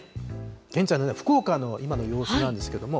現在の福岡の今の様子なんですけれども。